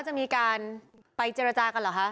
จะมีการไปเจรจากันเหรอคะ